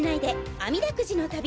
あみだくじの旅！